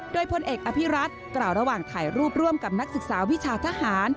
โดยพลเอกอภิรัตกล่าวระหว่างถ่ายรูปร่วมกับนักศึกษาวิชาทหาร